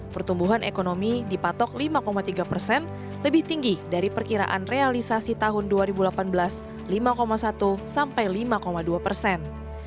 pertumbuhan ekonomi dipatok lima tiga persen lebih tinggi dari perkiraan realisasi tahun dua ribu delapan belas lima satu sampai lima dua persen